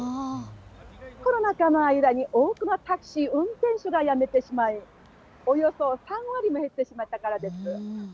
コロナ禍の間に、多くのタクシー運転手が辞めてしまい、およそ３割も減ってしまったからです。